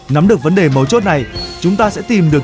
nắm được vấn đề mấu chốt này chúng ta sẽ tìm được